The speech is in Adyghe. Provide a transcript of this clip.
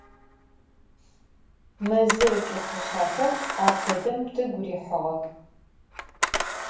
Mezır ıç'i khuşshexer ardedem tıgu rihığex.